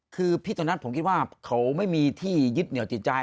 คือพี่ตอนนั้นผมคิดว่าเขาไม่มีที่ยึดเหนียวจิตใจ